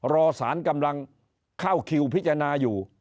รอสารกำลังเข้าคิวพิจารณาอยู่